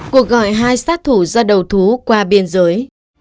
cuộc gọi hai sát thủ ra đầu thú qua biên giới